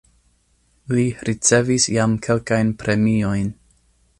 Li ricevis jam kelkajn premiojn.